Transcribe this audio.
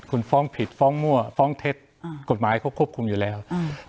คุณฟ้องผิดฟ้องมั่วฟ้องเท็จกฎหมายเขาควบคุมอยู่แล้วอืม